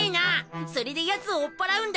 それでやつを追っ払うんだろ？